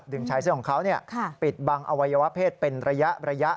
ชายเสื้อของเขาปิดบังอวัยวะเพศเป็นระยะ